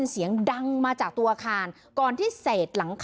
สี่หลังอะครับ